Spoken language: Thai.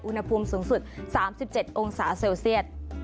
อุณหภูมิสูงสุด๓๗องศาเซลเซียต